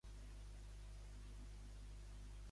Qui en formava part ja?